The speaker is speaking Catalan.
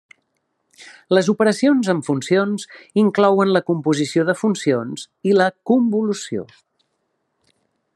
Les operacions amb funcions inclouen la composició de funcions i la convolució.